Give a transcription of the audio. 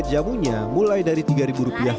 pembeliannya mulai dari rp tiga per gelas